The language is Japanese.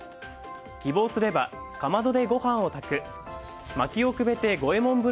希望すればかまどでご飯を炊くまきをくべて五右衛風